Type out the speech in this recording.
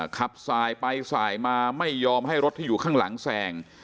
ขับสายไปสายมาไม่ยอมให้รถที่อยู่ข้างหลังแซง